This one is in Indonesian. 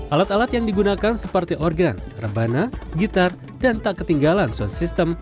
alat alat yang digunakan seperti organ rebana gitar dan tak ketinggalan sound system